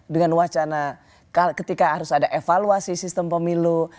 dengan wacana ketika harus ada evaluasi sistem pemilu